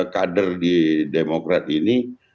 pader di demokrat ini